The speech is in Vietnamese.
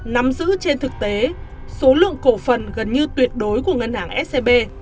nắm giữ trên thực tế số lượng cổ phần gần như tuyệt đối của ngân hàng scb